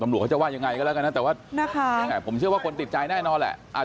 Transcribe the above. แต่ว่าไงนะผมเชื่อว่าคนติดใจแน่นอนแหละ